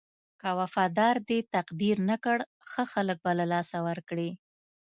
که وفادار دې تقدير نه کړل ښه خلک به له لاسه ورکړې.